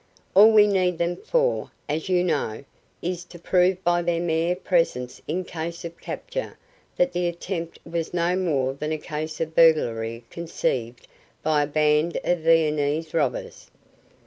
All we need them for, as you know, is to prove by their mere presence in case of capture that the attempt was no more than a case of burglary conceived by a band of Viennese robbers.